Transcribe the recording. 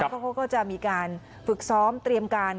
เขาก็จะมีการฝึกซ้อมเตรียมการ